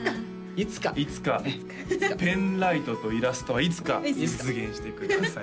いつかいつかペンライトとイラストはいつか実現してください